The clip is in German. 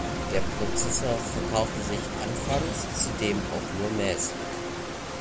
Der Prozessor verkaufte sich anfangs zudem auch nur mäßig.